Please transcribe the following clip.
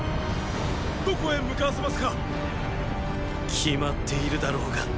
どこへ向かわせますか⁉決まっているだろうが。